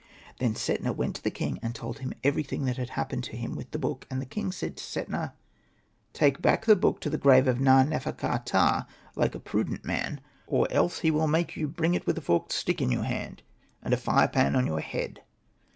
Then Setna went to the king, and told him everything that had happened to him with the book. And the king said to Setna, ^' Take back the book to the grave of Na. nefer.ka.ptah, like a prudent man, or else he will make vou bring it with a forked stick in your hand, and a fire pan on your head.''